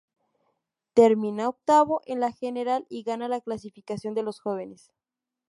Termina octavo en la general y gana la clasificación de los jóvenes.